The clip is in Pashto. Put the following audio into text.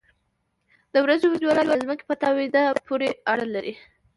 د ورځې اوږدوالی د ځمکې په تاوېدو پورې اړه لري.